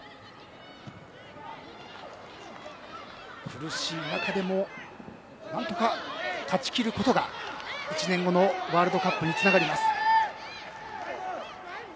苦しい中でも何とか勝ち切ることが１年後のワールドカップにつながります。